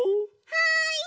はい！